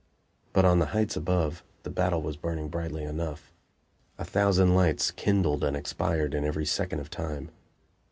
But on the heights above, the battle was burning brightly enough; a thousand lights kindled and expired in every second of time.